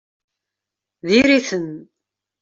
Diri-ten!